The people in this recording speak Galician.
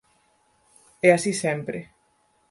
E así sempre.